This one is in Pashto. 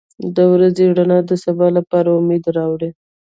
• د ورځې رڼا د سبا لپاره امید راوړي.